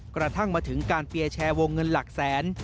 กระทั่งมาถึงการเปียร์แชร์วงเงินหลักแสน